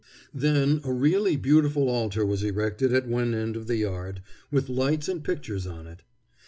Then a really beautiful altar was erected at one end of the yard, with lights and pictures on it.